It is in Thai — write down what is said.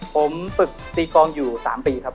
ผมฝึกตีกองอยู่๓ปีครับ